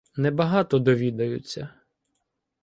— Небагато довідаються.